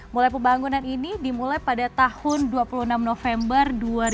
mulai pembangunan ini dimulai pada tahun dua puluh enam november dua ribu dua puluh